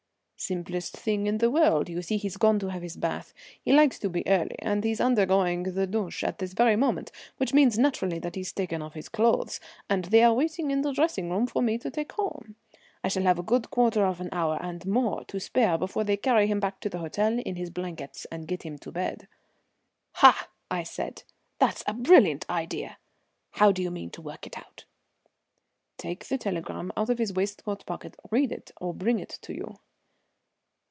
"Simplest thing in the world. You see he's gone to have his bath, he likes to be early, and he's undergoing the douche at this very moment, which means naturally that he's taken off his clothes, and they are waiting in the dressing room for me to take home. I shall have a good quarter of an hour and more to spare before they carry him back to the hotel in his blankets and get him to bed." "Ha!" I said, "that's a brilliant idea. How do you mean to work it out?" "Take the telegram out of his waistcoat pocket, read it, or bring it to you."